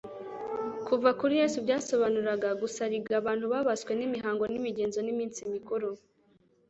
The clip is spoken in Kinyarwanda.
Kuva kuri Yesu byasobanuraga gusariga abantu babaswe n'imihango n'imigenzo n'iminsi mikuru,